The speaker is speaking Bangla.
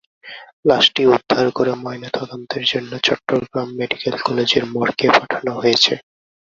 লাশটি উদ্ধার করে ময়নাতদন্তের জন্য চট্টগ্রাম মেডিকেল কলেজের মর্গে পাঠানো হয়েছে।